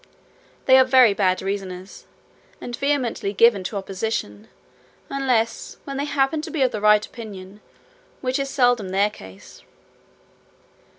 They are very bad reasoners, and vehemently given to opposition, unless when they happen to be of the right opinion, which is seldom their case.